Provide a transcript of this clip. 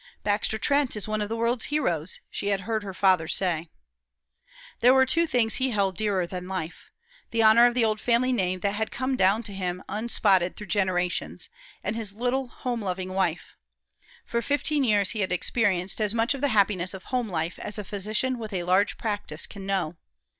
"Baxter Trent is one of the world's heroes," she had heard her father say. There were two things he held dearer than life the honor of the old family name that had come down to him unspotted through generations, and his little home loving wife. For fifteen years he had experienced as much of the happiness of home life as a physician with a large practice can know.